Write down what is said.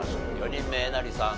４人目えなりさん